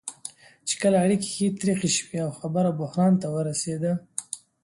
چې کله اړیکې ښې ترخې شوې او خبره بحران ته ورسېده.